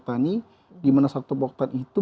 tani dimana satu poktan itu